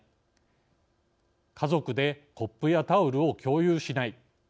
家族でコップやタオルを共有しない。